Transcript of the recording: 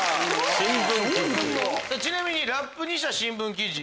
ちなみにラップにした新聞記事